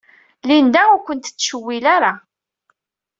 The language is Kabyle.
Linda ur kent-tettcewwil ara.